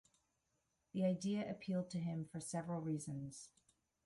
The idea appealed to him for several reasons.